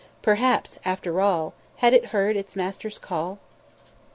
Perhaps, after all, had it heard its master's call?